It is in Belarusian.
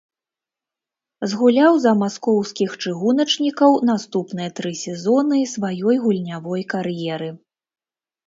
Згуляў за маскоўскіх чыгуначнікаў наступныя тры сезоны сваёй гульнявой кар'еры.